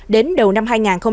đến đầu năm hai nghìn hai mươi bốn